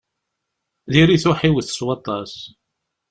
Dirit uḥiwet s waṭas.